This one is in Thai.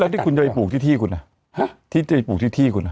ที่คุณจะไปปลูกที่ที่คุณที่จะไปปลูกที่ที่คุณอ่ะ